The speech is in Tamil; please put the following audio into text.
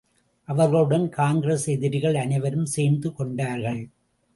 அவர்களுடன் காங்கிரஸ் எதிரிகள் அனைவரும் சேர்ந்து கொண்டார்கள்.